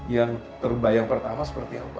yang terbayang pertama seperti apa